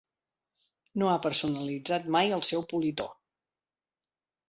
No ha personalitzat mai el seu politó.